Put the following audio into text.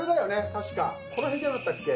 確かこのへんじゃなかったっけ？